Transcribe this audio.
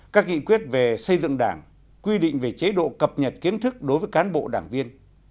các nghị quyết về xây dựng đảng quy định về chế độ cập nhật kiến thức đối với cán bộ đảng viên